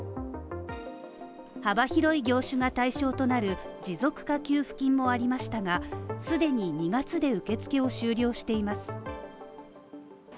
幅広い業種が対象となる持続化給付金もありましたが、既に２月で受付を終了しています。